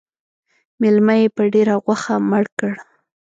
_مېلمه يې په ډېره غوښه مړ کړ.